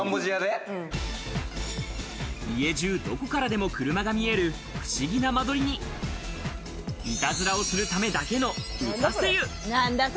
家中どこからでも車が見える不思議な間取りに、イタズラをするためだけの打たせ湯。